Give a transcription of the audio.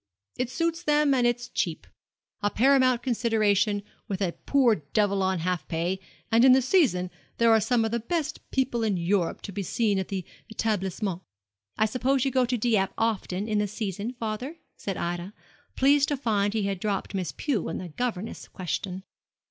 It suits them, and it's cheap a paramount consideration with a poor devil on half pay; and in the season there are some of the best people in Europe to be seen at the établissement.' 'I suppose you go to Dieppe often in the season, father?' said Ida, pleased to find he had dropped Miss Pew and the governess question.